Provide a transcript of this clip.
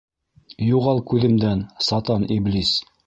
Юғал күҙемдән, сатан иблис!